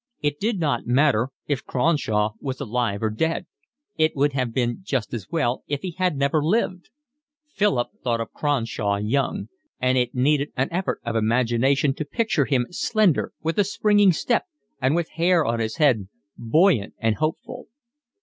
It did not matter if Cronshaw was alive or dead. It would have been just as well if he had never lived. Philip thought of Cronshaw young; and it needed an effort of imagination to picture him slender, with a springing step, and with hair on his head, buoyant and hopeful.